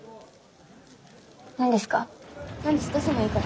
何ですか？